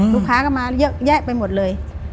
ลูกค้าก็มาเยอะแยะไปหมดเลย